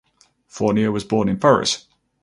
Fournier was born in Paris.